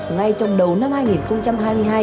ngay trong đầu năm hai nghìn hai mươi hai